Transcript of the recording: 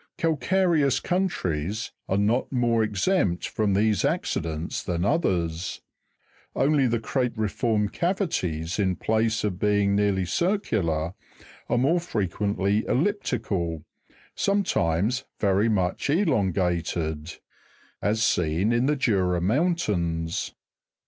14. Calcareous countries are not more exempt from these acci dents than others; only the crate'riform cavities, in place of being nearly circular, are more frequently elliptical, sometimes very much elongated, as seen in the Jura mountains.